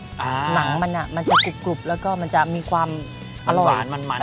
หนังมันอ่ะมันจะกรุบแล้วก็มันจะมีความอร่อยมันมัน